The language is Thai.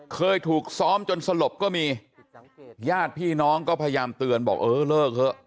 เคยถูกซ้อมจนสลบก็มีญาติพี่น้องก็พยายามเตือนบอกเออเลิกเถอะ